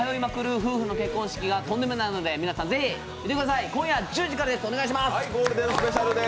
夫婦の結婚式がとんでもないので皆さん、ぜひ見てください、今夜１０時からです、お願いします。